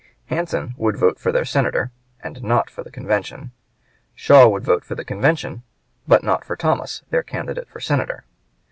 Hansen would vote for their senator and not for the convention. Shaw would vote for the convention, but not for Thomas, their candidate for senator.